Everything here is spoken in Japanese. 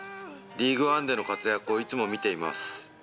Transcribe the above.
リーグワンでの活躍をいつも見ています。